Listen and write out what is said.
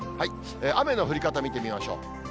雨の降り方を見てみましょう。